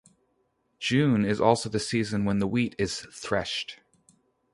June is also the season when the wheat is threshed.